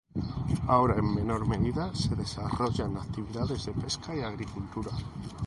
Ahora en menor medida se desarrollan actividades de pesca y agricultura.